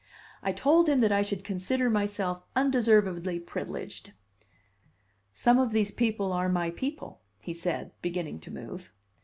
I told him that I should consider myself undeservedly privileged. "Some of these people are my people," he said, beginning to move.